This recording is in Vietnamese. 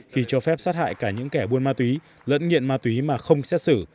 khi cho phép sát hại cả những kẻ buôn ma túy lẫn nghiện ma túy mà không xét xử